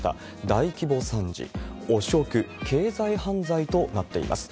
大規模参事、汚職、経済犯罪となっています。